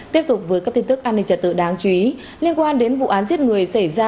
tiếp tục với các tin tức an ninh trật tự đáng chú ý liên quan đến vụ án giết người xảy ra